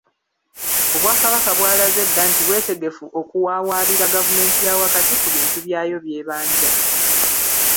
Obwakabaka bw’alaze dda nti bwetegefu okuwawaabira Gavumenti ya wakati ku bintu byayo by’ebanja